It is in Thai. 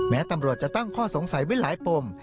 แม้ตำรวจจะตั้งข้อสงสัยไว้หลายปม